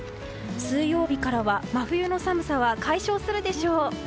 水曜日からは真冬の寒さは解消するでしょう。